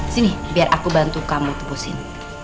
sini biar aku bantu kamu tebusin